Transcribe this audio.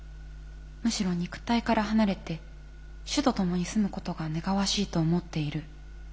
「むしろ肉体から離れて主と共に住むことが願わしいと思っている」と。